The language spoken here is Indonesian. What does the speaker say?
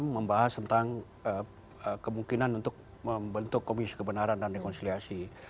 membahas tentang kemungkinan untuk membentuk komisi kebenaran dan rekonsiliasi